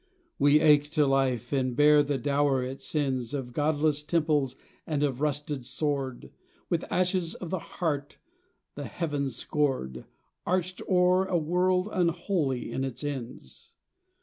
We ache to life and bear the dower it sends Of Godless temples and of rusted sword, With ashes of the heart the heavens scored, Arched o'er a world unholy in its ends.